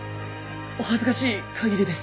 お恥ずかしい限りです。